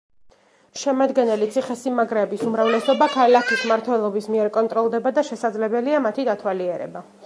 შემადგენელი ციხესიმაგრეების უმრავლესობა ქალაქის მმართველობის მიერ კონტროლდება და შესაძლებელია მათი დათვალიერება.